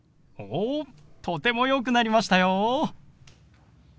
おとてもよくなりましたよ！